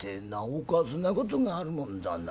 おかしなことがあるもんだな。